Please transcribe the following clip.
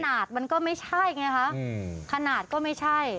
นาดมันก็ไม่ใช่ไงคะขนาดก็ไม่ใช่